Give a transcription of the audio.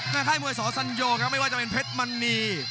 ค่ายมวยสอสัญโยครับไม่ว่าจะเป็นเพชรมณี